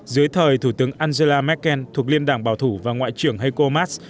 dưới thời thủ tướng angela merkel thuộc liên đảng bảo thủ và ngoại trưởng heiko mas